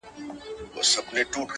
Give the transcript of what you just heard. پاس توتكۍ راپسي مه ږغـوه.